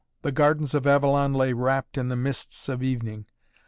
The gardens of Avalon lay wrapt in the mists of evening.